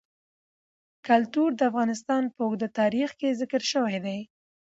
کلتور د افغانستان په اوږده تاریخ کې ذکر شوی دی.